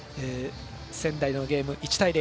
仙台のゲーム１対０。